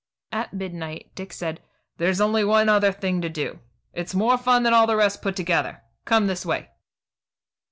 At midnight Dick said: "There's only one other thing to do. It's more fun than all the rest put together. Come this way."